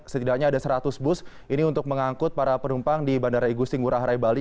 setidaknya ada seratus bus ini untuk mengangkut para penumpang di bandara igusti ngurah rai bali